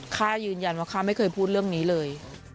ข้ายืนยันว่าข้าไม่เคยพูดเรื่องนี้เลย